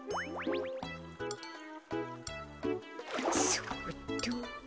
そっと。